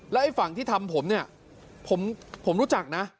ไอ้ฝั่งที่ทำผมเนี่ยผมรู้จักนะ